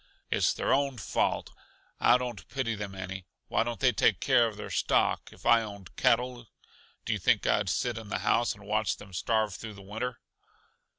"It's their own fault. I don't pity them any why don't they take care of their stock? If I owned cattle, do you think I'd sit in the house and watch them starve through the winter?"